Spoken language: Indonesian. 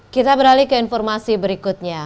kita beralih ke informasi berikutnya